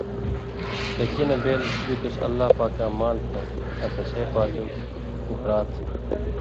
شکی نہ بېل بِتُس اللہ پاکاں مال تھہ آں تسے پاتُو گُھرا تھہ۔